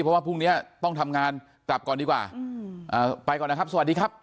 เพราะว่าพรุ่งนี้ต้องทำงานกลับก่อนดีกว่าไปก่อนนะครับสวัสดีครับ